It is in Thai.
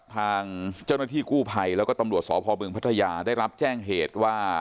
ทางเจ้าหน้าที่กู้ภัยแล้วก็ตำรวจสพบึงพัทยาได้รับแจ้งเหตุว่า